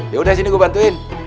yaudah sini gue bantuin